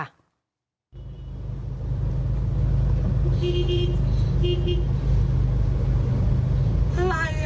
อะไรอ่ะ